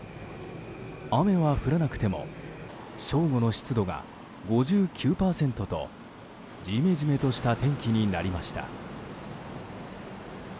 雨は降らなくても正午の湿度が５９％とジメジメとした天気になりました。